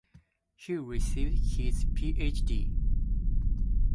He received his PhD.